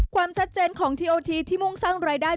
ความชัดเจนของทีโอทีที่มุ่งสร้างรายได้